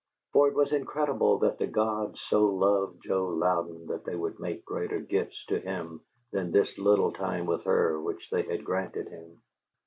For it was incredible that the gods so loved Joe Louden that they would make greater gifts to him than this little time with her which they had granted him.